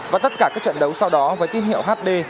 và tất cả các trận đấu sau đó với tin hiệu hd